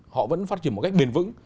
họ vẫn phát triển một cách bền vững